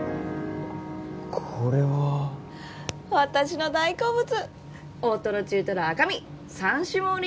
これは私の大好物大トロ中トロ赤身三種盛り！